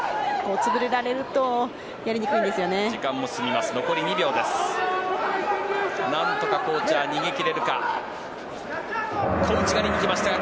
潰れられるとやりにくいんですよね。